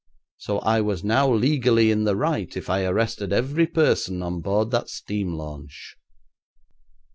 So I was now legally in the right if I arrested every person on board that steam launch.